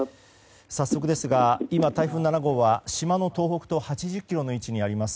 早速ですが今台風７号は島の東北東８０ｋｍの位置にあります。